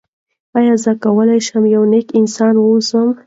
آیا زه کولی شم یو نېک انسان واوسم؟